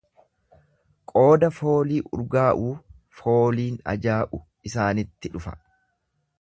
Qooda foolii urgaa'uu fooliin ajaa'u isaanitti dhufa.